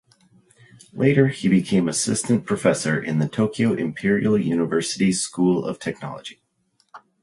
Later he became assistant professor in the Tokyo Imperial University School of Technology.